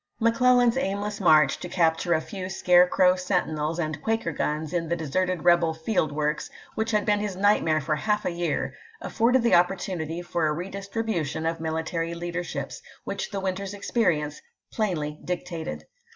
McClellan's aimless march to captui'e a few scarecrow sentinels and quaker guns in the deserted rebel field works, which had been his nightmare for half a year, afforded the opportunity for a redistri bution of military leaderships, which the winter's experience plainly dictated.